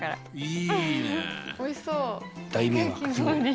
いいね。